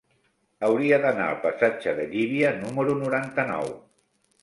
Hauria d'anar al passatge de Llívia número noranta-nou.